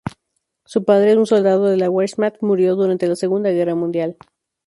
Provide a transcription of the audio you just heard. Su padre, un soldado de la Wehrmacht, murió durante la Segunda Guerra Mundial.